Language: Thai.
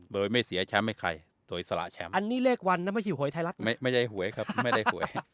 โดยไม่เสียแชมป์ให้ใครสวยสละแชมป์อันนี้เลขวันนะไม่ใช่หวยไทยรัฐไม่ได้หวยครับไม่ได้หวย